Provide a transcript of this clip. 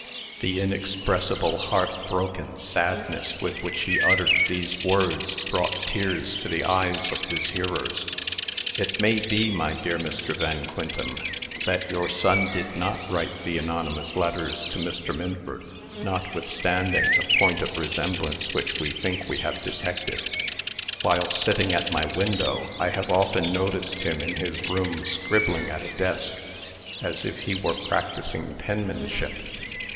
The inexpressible heart broken sadness, with which he uttered these words, brought tears to the eyes of his hearers. "It may be, my dear Mr. Van Quintem, that your son did not write the anonymous letters to Mr. Minford, notwithstanding the point of resemblance which we think we have detected. While sitting, at my window, I have often noticed him in his room scribbling at a desk, as if he were practising penmanship.